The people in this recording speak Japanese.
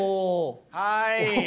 はい。